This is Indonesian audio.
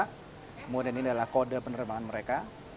kemudian ini adalah kode penerbangan mereka